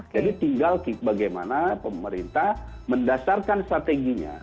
jadi tinggal bagaimana pemerintah mendasarkan strateginya